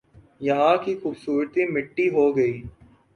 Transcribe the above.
یہاں کی خوبصورتی مٹی ہو گئی